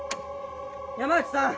山内さん。